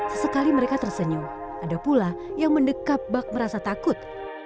sesekali mereka tersenyum ada pula yang mendekat bak merasa takut